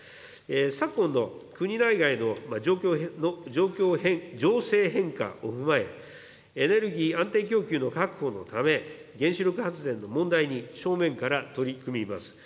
昨今の国内外の情勢変化を踏まえ、エネルギー安定供給の確保のため、原子力発電の問題に正面から取り組みます。